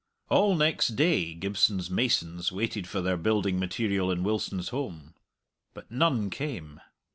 All next day Gibson's masons waited for their building material in Wilson's holm. But none came.